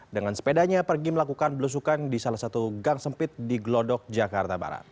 dengan sepedanya pergi melakukan belusukan di salah satu gang sempit di glodok jakarta barat